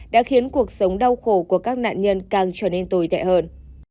đã khiến cuộc sống đau khổ của các nạn nhân càng trở nên tồi tệ hơn